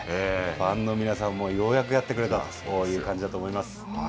ファンの皆さんも、ようやくやってくれた、そういう感じだと思い